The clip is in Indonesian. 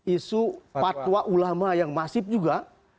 isu fatwa ulama yang masif juga